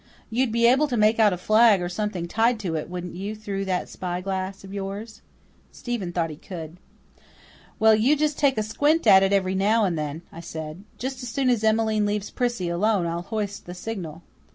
You'd be able to make out a flag or something tied to it, wouldn't you, through that spy glass of yours?" Stephen thought he could. "Well, you take a squint at it every now and then," I said. "Just as soon as Emmeline leaves Prissy alone I'll hoist the signal."